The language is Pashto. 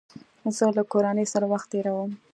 زه له کورنۍ سره وخت تېرووم.